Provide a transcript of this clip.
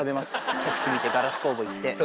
景色見て、ガラス工房行って。